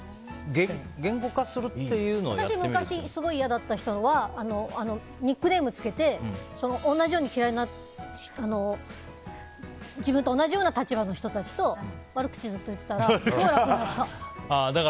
言語化するっていうのを私、昔すごい嫌だった人はニックネームつけて同じように嫌いな自分と同じような立場の人と悪口をずっと言っていたらすごい楽になった。